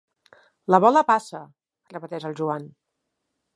La bola passa —repeteix el Joan.